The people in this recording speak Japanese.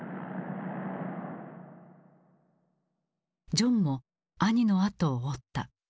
ジョンも兄の後を追った。